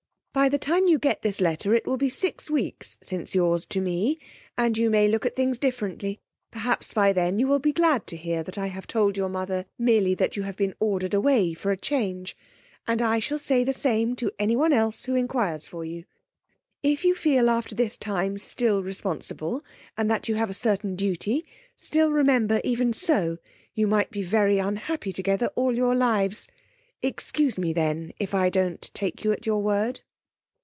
By the time you get this letter, it will be six weeks since yours to me, and you may look at things differently. Perhaps by then you will be glad to hear that I have told your mother merely that you have been ordered away for a change, and I shall say the same to anyone else who inquires for you. If you feel after this time still responsible, and that you have a certain duty, still remember, even so, you might be very unhappy together all your lives. Excuse me, then, if I don't take you at your word.